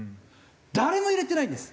誰も入れてないんです。